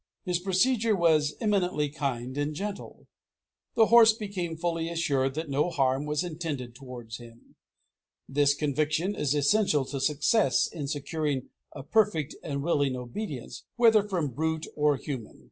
His procedure was eminently kind and gentle. The horse became fully assured that no harm was intended towards him. This conviction is essential to success in securing a perfect and willing obedience, whether from brute or human.